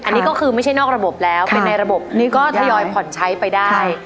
อันนี้ก็คือไม่ใช่นอกระบบแล้วเป็นในระบบนี้ก็ทยอยผ่อนใช้ไปได้